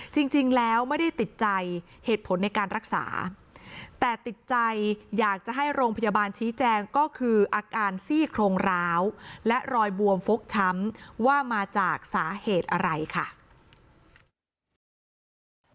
จริงแล้วไม่ได้ติดใจเหตุผลในการรักษาแต่ติดใจอยากจะให้โรงพยาบาลชี้แจงก็คืออาการซี่โครงร้าวและรอยบวมฟกช้ำว่ามาจากสาเหตุอะไรค่ะ